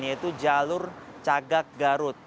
yaitu jalur cagak garut